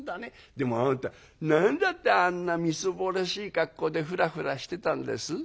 でもあなた何だってあんなみすぼらしい格好でフラフラしてたんです？」。